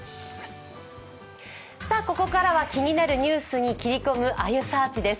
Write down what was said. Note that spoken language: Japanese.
ここからは気になるニュースに切り込む「あゆサーチ」です。